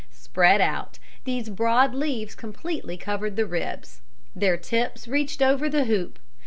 Spread out, these broad leaves completely covered the ribs. Their tips reached over the hoop.